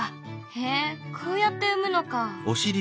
へこうやって産むのか。